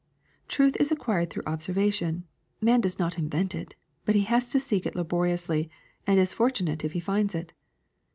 Truth is acquired through observa tion ; man does not invent it, but has to seek it laboriously, and is fortunate if he finds it.